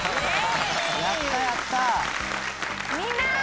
「みんな！